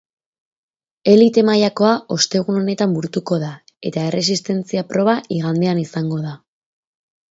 Elite mailakoa ostegun honetan burutuko da eta erresistentzia proba igandean izango da.